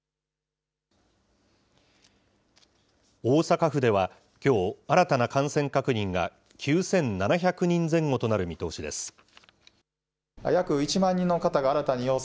大阪府ではきょう、新たな感染確認が９７００人前後となる見通しです。